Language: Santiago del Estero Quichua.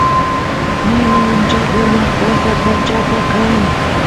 nina ancha sumaq qasa pachapa kan